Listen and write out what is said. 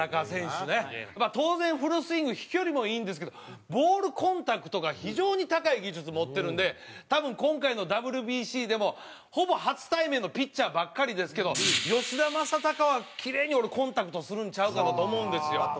当然フルスイング飛距離もいいんですけどボールコンタクトが非常に高い技術持ってるんで多分今回のＷＢＣでもほぼ初対面のピッチャーばっかりですけど吉田正尚はキレイにコンタクトするんちゃうかなと思うんですよ。